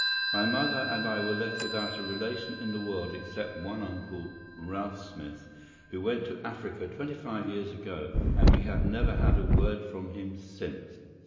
My mother and I were left without a relation in the world except one uncle, Ralph Smith, who went to Africa twenty five years ago, and we have never had a word from him since.